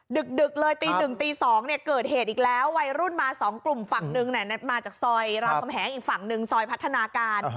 ดึกดึกเลยตีหนึ่งตีสองเนี่ยเกิดเหตุอีกแล้ววัยรุ่นมาสองกลุ่มฝั่งหนึ่งน่ะมาจากซอยราวคำแหงอีกฝั่งหนึ่งซอยพัฒนาการ